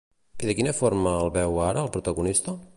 I de quina forma el veu ara el protagonista?